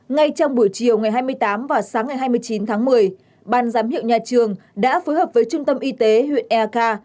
ngay trong buổi chiều ngày hai mươi tám và sáng ngày hai mươi chín tháng một mươi ban giám hiệu nhà trường đã phối hợp với trung tâm y tế huyện eak